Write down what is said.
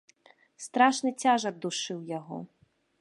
Страшны цяжар душыў яго.